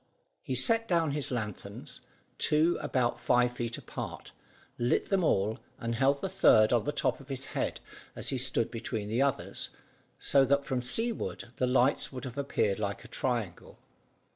He set down his lanthorns, two about five feet apart, lit them all, and held the third on the top of his head as he stood between the others, so that from seaward the lights would have appeared like a triangle.